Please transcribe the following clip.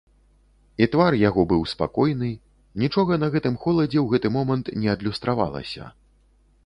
І твар яго быў спакойны, нічога на гэтым холадзе ў гэты момант не адлюстравалася.